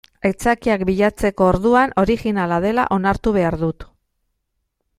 Aitzakiak bilatzeko orduan originala dela onartu behar dut.